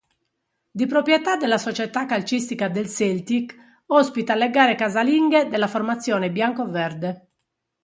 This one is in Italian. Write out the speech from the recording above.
Di proprietà della società calcistica del Celtic, ospita le gare casalinghe della formazione bianco-verde.